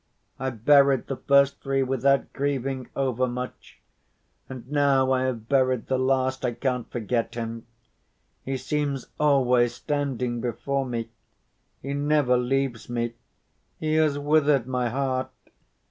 I buried the first three without grieving overmuch, and now I have buried the last I can't forget him. He seems always standing before me. He never leaves me. He has withered my heart.